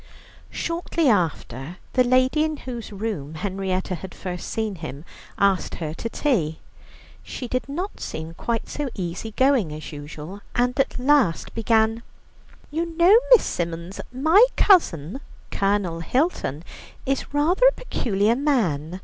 Shortly after, the lady in whose room Henrietta had first seen him, asked her to tea. She did not seem quite so easy going as usual, and at last began: "You know, Miss Symons, my cousin, Colonel Hilton, is rather a peculiar man.